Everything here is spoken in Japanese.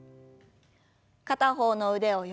片方の腕を横に。